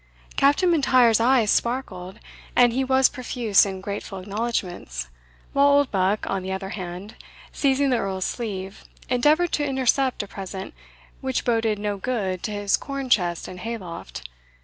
Captain M'Intyre's eyes sparkled, and he was profuse in grateful acknowledgments; while Oldbuck, on the other hand, seizing the Earl's sleeve, endeavoured to intercept a present which boded no good to his corn chest and hay loft.